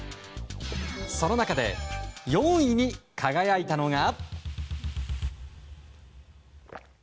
その中で４位に輝いたのが。